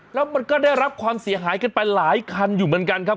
แล้วมันก็ได้รับความเสียหายกันไปหลายคันอยู่เหมือนกันครับ